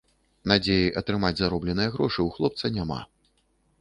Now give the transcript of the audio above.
Надзеі атрымаць заробленыя грошы ў хлопца няма.